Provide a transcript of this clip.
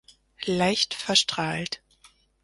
Leicht verstrahlt.